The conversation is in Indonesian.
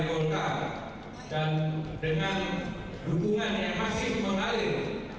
maka dengan ini saya mengatakan